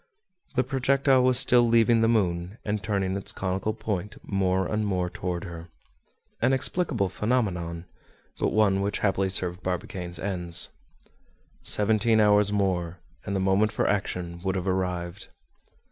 The projectile was still leaving the moon, and turning its conical part more and more toward her. An explicable phenomenon, but one which happily served Barbicane's ends. Seventeen hours more, and the moment for action would have arrived.